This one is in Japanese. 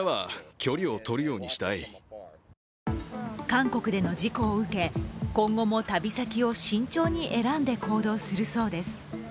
韓国での事故を受け今後も旅先を慎重に選んで行動するそうです。